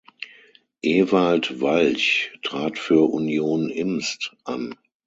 Ewald Walch trat für "Union Imst" an.